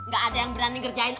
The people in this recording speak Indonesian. gak ada yang berani ngerjain